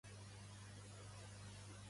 On era la de Citeró?